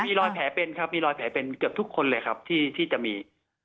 มีรอยแผลเป็นครับเกือบทุกคนเลยครับที่จะมี